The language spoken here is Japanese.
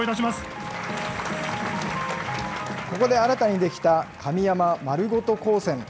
ここで新たに出来た、神山まるごと高専。